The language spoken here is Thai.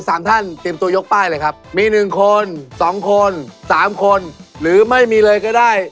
อ้าวคุณหอยใหม่เลข๓